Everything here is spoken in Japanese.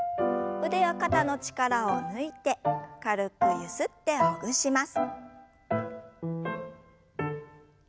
腕や肩の力を抜いて軽くゆすってほぐします。